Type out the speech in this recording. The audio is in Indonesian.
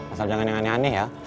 asal jangan yang aneh aneh ya